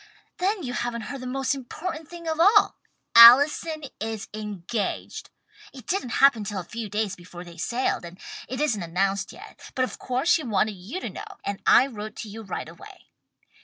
Then you haven't heard the most important thing of all! Allison is engaged! It didn't happen till a few days before they sailed, and it isn't announced yet, but of course she wanted you to know and I wrote to you right away."